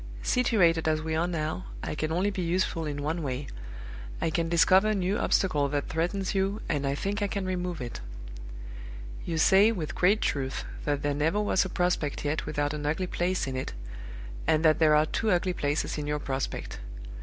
Situated as we are now, I can only be useful in one way. I can discover a new obstacle that threatens you, and I think I can remove it. "You say, with great truth, that there never was a prospect yet without an ugly place in it, and that there are two ugly places in your prospect.